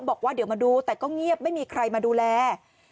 บอกว่าเดี๋ยวมาดูแต่ก็เงียบไม่มีใครมาดูแล